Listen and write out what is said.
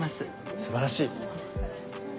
素晴らしい。